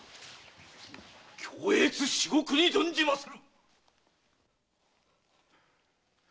恐悦至極にぞんじまする！